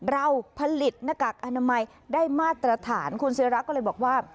เราผลิตหน้ากากอนามัยได้มาตรฐานคุณศิราก็เลยบอกว่า